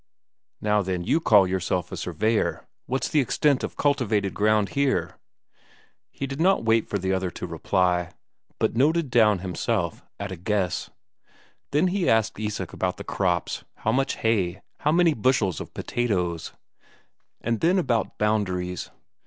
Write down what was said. "Now then, you call yourself a surveyor, what's the extent of cultivated ground here?" He did not wait for the other to reply, but noted down himself, at a guess. Then he asked Isak about the crops, how much hay, how many bushels of potatoes. And then about boundaries.